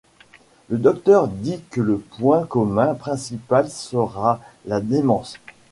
Le docteur dit que le point commun principal sera la démence.